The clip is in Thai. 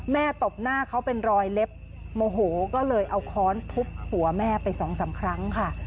ตบหน้าเขาเป็นรอยเล็บโมโหก็เลยเอาค้อนทุบหัวแม่ไปสองสามครั้งค่ะ